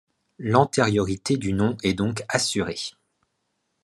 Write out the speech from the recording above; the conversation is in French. L'antériorité du nom est donc assurée.